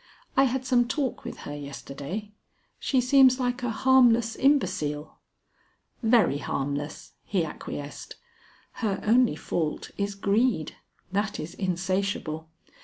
"I had some talk with her yesterday. She seems like a harmless imbecile." "Very harmless," he acquiesced; "her only fault is greed; that is insatiable.